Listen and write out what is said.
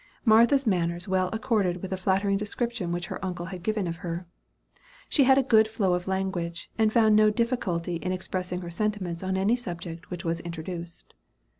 Martha's manners well accorded with the flattering description which her uncle had given of her. She had a good flow of language, and found no difficulty in expressing her sentiments on any subject which was introduced.